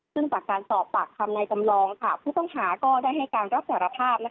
ซึ่งจากการสอบปากคำในจำลองผู้ต้องหาก็ได้ให้การรับสารภาพ